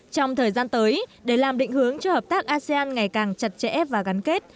trong thời gian tới để làm định hướng cho hợp tác asean ngày càng chặt chẽ và gắn kết